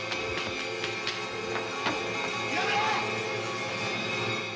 やめろ！